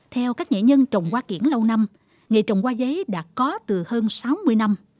theo các nghệ nhân trồng hoa kiển lâu năm nghệ trồng hoa giấy đã có từ hơn sáu mươi năm